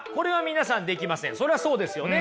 それはそうですよね。